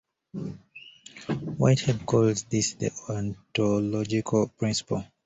Whitehead calls this 'the ontological principle'.